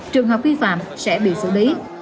trường hợp vi phạm sẽ bị xử lý